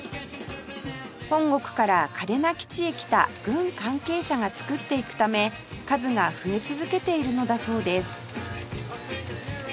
本国から嘉手納基地へ来た軍関係者が作っていくため数が増え続けているのだそうです